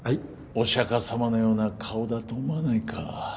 お釈迦様のような顔だと思わないか？